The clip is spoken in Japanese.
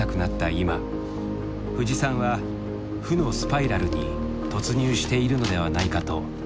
今冨士さんは負のスパイラルに突入しているのではないかと考えている。